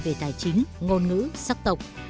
về tài chính ngôn ngữ sắc tộc